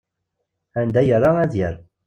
Anda yerra ad yerr.